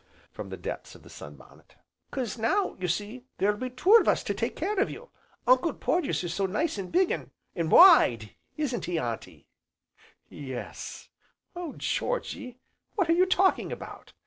from the depths of the sunbonnet. "'Cause now, you see, there'll be two of us to take care of you. Uncle Porges is so nice an' big, and wide, isn't he, Auntie?" "Y e s, Oh Georgy! what are you talking about?"